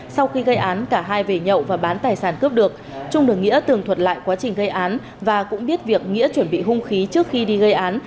sau khi gây án cả hai về nhậu và bán tài sản cướp được trung được nghĩa tường thuật lại quá trình gây án và cũng biết việc nghĩa chuẩn bị hung khí trước khi đi gây án